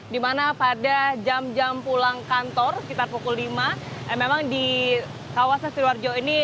di mana pada jam jam pulang kantor sekitar pukul lima memang di kawasan sidoarjo ini